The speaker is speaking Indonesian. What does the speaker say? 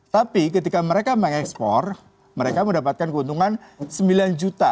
tapi ketika mereka mengekspor mereka mendapatkan keuntungan sembilan juta